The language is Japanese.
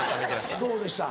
どうでした？